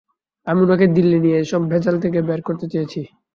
আমি উনাকে দিল্লি নিয়ে এইসব ভেজাল থেকে বের করতে চেয়েছি।